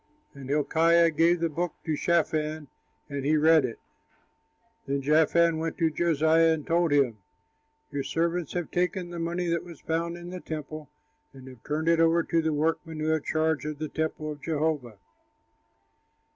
And Hilkiah gave the book to Shaphan, and he read it. Then Shaphan went to Josiah and told him, "Your servants have taken the money that was found in the temple and have turned it over to the workmen who have charge of the temple of Jehovah."